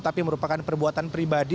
tapi merupakan perbuatan pribadi